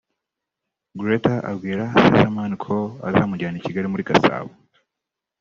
Gretta abwira Sizzaman ko azamujyana i Kigali muri Gasabo